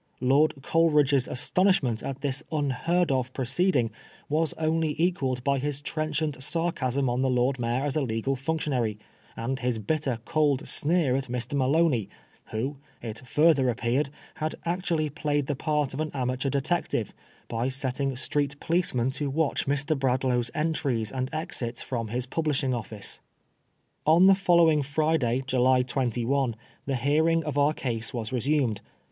Lord Coleridge's astonishment at this unheard of pro ceeding was only equalled by his trenchant sarcasm on the Lord Mayor as a legal functionary, and his bitter cold sneer at Mr. Maloney, who, it further appeared, had actually played the part of an amateur detective, by setting street policemen to watch Mr. Bradlaugh's entries and exits from his publishing office. On the following Friday, July 21, the hearing of our case was resumed.